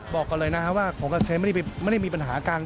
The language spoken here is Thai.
บอกก่อนเลยนะครับว่าผมกับเชฟไม่ได้มีปัญหากัน